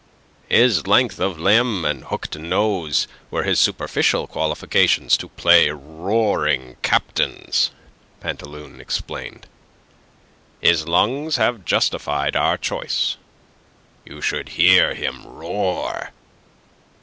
"His length of limb and hooked nose were his superficial qualifications to play roaring captains," Pantaloon explained. "His lungs have justified our choice. You should hear him roar.